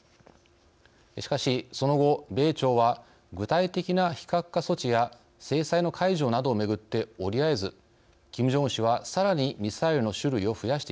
しかしその後米朝は具体的な非核化措置や制裁の解除などをめぐって折り合えずキム・ジョンウン氏はさらにミサイルの種類を増やしています。